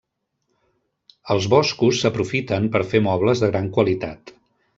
Els boscos s'aprofiten per fer mobles de gran qualitat.